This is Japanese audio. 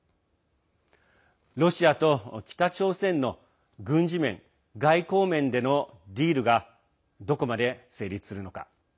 ロシアと北朝鮮の軍事面、外交面でのディールがどこまで成立するのか。